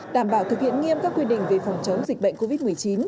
đảm bảo thực hiện nghiêm các quy định về phòng chống dịch bệnh covid một mươi chín